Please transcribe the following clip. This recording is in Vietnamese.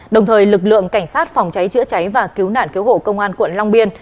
đồng thời lực lượng cảnh sát phòng cháy chữa cháy và cứu nạn cứu hộ công an quận long biên